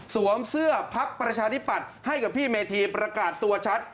เสื้อพักประชาธิปัตย์ให้กับพี่เมธีประกาศตัวชัด